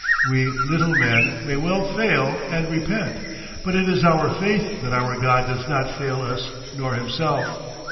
We little men may well fail and repent, but it is our faith that our God does not fail us nor himself.